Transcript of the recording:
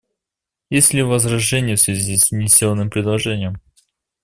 Есть ли возражения в связи с внесенным предложением?